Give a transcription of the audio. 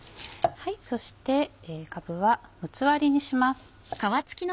そしてかぶは６つ割りにします。